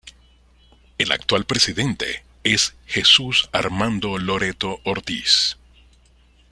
El actual presidente es Jesús Armando Loreto Ortiz.